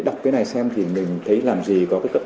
để đọc cái này xem thì mình thấy làm gì có cái chứng nhận cấp phép